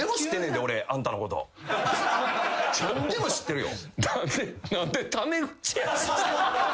何でも知ってるよ。